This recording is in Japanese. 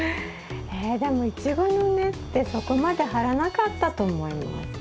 えでもイチゴの根ってそこまで張らなかったと思います。